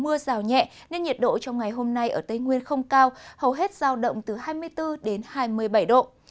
mưa rào nhẹ nên nhiệt độ trong ngày hôm nay ở tây nguyên không cao hầu hết giao động từ hai mươi bốn đến hai mươi bảy độ